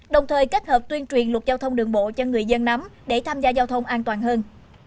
đồng thời kết hợp tuyên truyền luật giao thông đường bộ cho người dân nắm để tham gia giao thông an toàn hơn